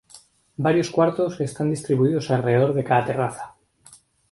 Varios cuartos están distribuidos alrededor de cada terraza.